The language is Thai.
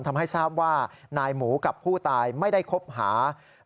ทำให้ทราบว่านายหมูกับผู้ตายไม่ได้คบหา